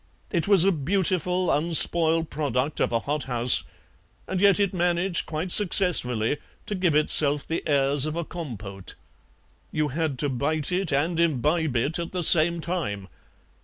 It was a beautiful unspoiled product of a hothouse, and yet it managed quite successfully to give itself the airs of a compote. You had to bite it and imbibe it at the same time.